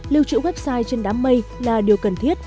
lưu trữ website trên đám mây là điều cần thiết